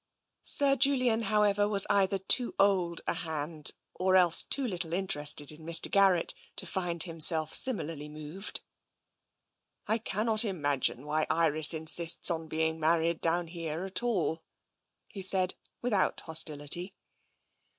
Sir Julian, however, was either too old a hand, or else too little interested in Mr. Garrett, to find himself similarly moved. " I cannot imagine why Iris insists upon being mar ried down here at all," he said, without hostility.